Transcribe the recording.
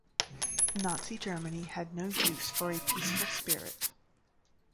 Nazi Germany had no use for a peaceful spirit.